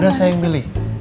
udah saya yang pilih